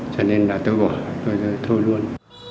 cho nên là tôi gọi tôi thôi luôn